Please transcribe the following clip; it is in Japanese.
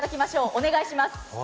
お願いします。